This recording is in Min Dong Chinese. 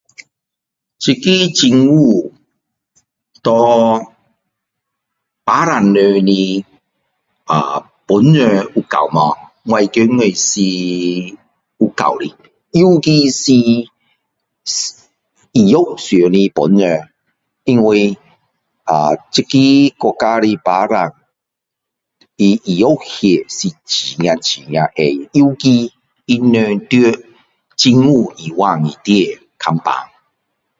这个政府拿巴杀人的啊帮助有够吗我觉得是有够的尤其是医学上的帮助因为这个国家的巴杀医药费是真的真的低尤其他们在政府医院里面看病